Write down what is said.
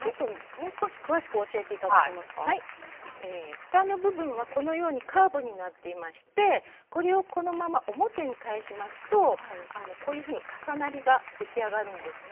ふたの部分はこのようにカーブになっていましてこれをこのまま表に返しますとこういうふうに重なりが出来上がるんですね。